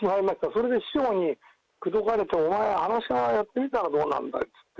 それで師匠に口説かれてお前、やってみたらどうなんだいと。